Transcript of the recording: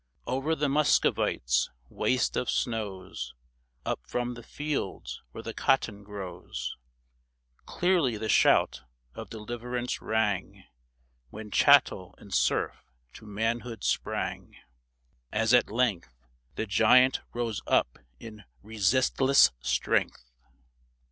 Over the Muscovite's waste of snows, Up from the fields where the cotton grows, Clearly the shout of deliverance rang, When chattel and serf to manhood sprang, As at length The giant rose up in resistless strength.